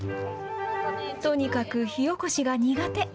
とにかく火おこしが苦手。